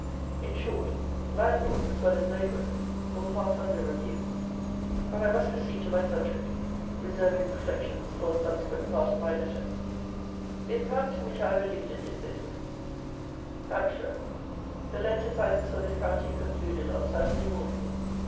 In short, landlords as well as labourers will pass under review. But, I must proceed to my subject, reserving reflections for a subsequent part of my letter. The account, to which I have alluded, is this: "HAMPSHIRE. The Lent Assizes for this county concluded on Saturday morning.